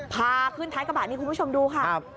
พาขึ้นท้ายกระบะนี่คุณผู้ชมดูค่ะ